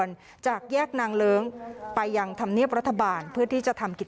พี่แล้วพี่โดนปล่อยไหนโดนไปกี่หมัด